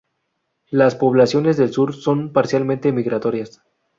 Las poblaciones del sur son parcialmente migratorias.